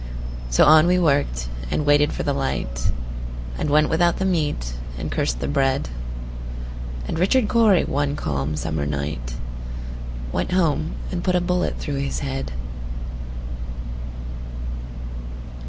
So on we worked, and waited for the light, And went without the meat, and cursed the bread; And Richard Cory, one calm summer night, Went home and put a bullet through his head.